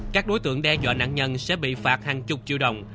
các đối tượng đe dọa nạn nhân sẽ bị phạt hàng chục triệu đồng